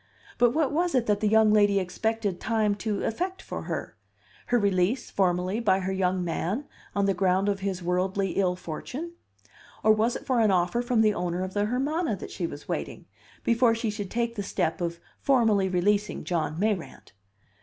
But what was it that the young lady expected time to effect for her? Her release, formally, by her young man, on the ground of his worldly ill fortune? Or was it for an offer from the owner of the Hermana that she was waiting, before she should take the step of formally releasing John Mayrant?